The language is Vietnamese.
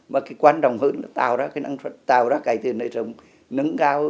mà cái quan trọng hơn là tạo ra cái năng suất tạo ra cải tạo năng cao